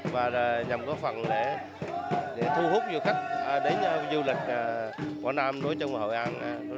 và nhằm có phần để thu hút du khách đến du lịch quảng nam đối với hội an